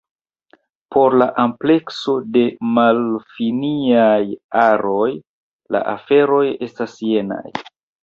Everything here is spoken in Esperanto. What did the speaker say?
Por la amplekso de malfiniaj aroj, la aferoj estas jenaj.